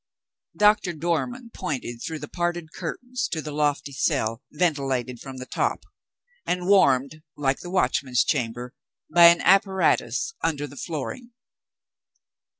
Doctor Dormann pointed through the parted curtains to the lofty cell, ventilated from the top, and warmed (like the Watchman's Chamber) by an apparatus under the flooring.